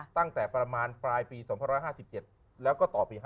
ตั้งแต่ประมาณปลายปี๒๕๗แล้วก็ต่อปี๕๗